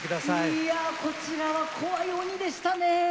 いやこちらは怖い鬼でしたね。